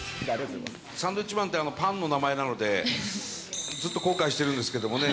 サンドウィッチマンって、パンの名前なので、ずっと後悔してるんですけどもね。